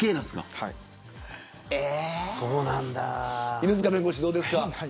犬塚弁護士どうですか。